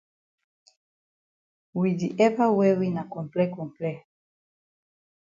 We we di ever wear na comple comple.